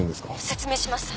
説明します。